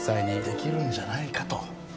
できるんじゃないかと。